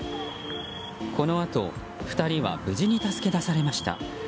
このあと２人は無事に助け出されました。